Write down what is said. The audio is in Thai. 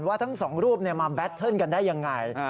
ว่าทั้งสองรูปมาแบตเทิร์นกันได้ยังไง